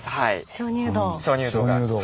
鍾乳洞が。